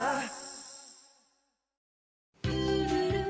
はい。